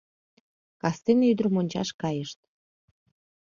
Кастене ӱдырым ончаш кайышт.